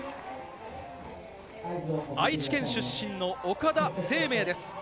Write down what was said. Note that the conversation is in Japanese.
愛知県出身の岡田清明です。